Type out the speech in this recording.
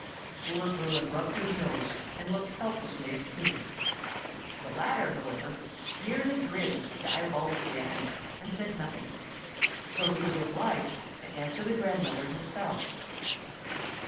Poor Bruin rubbed his nose, and looked helplessly at Coon. The latter, however, merely grinned diabolically at him, and said nothing; so he was obliged to answer the grandmother himself.